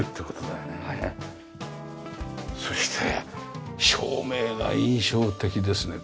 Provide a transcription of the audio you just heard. そして照明が印象的ですね。